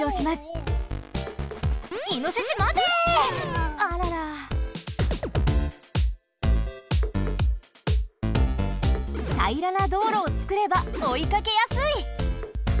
たいらなどうろをつくればおいかけやすい！